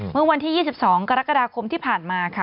เมื่อวันที่๒๒กรกฎาคมที่ผ่านมาค่ะ